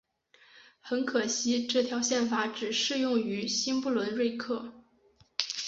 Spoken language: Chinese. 很可惜这条宪法只适用于新不伦瑞克。